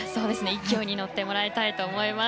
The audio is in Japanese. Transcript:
勢いに乗ってもらいたいと思います。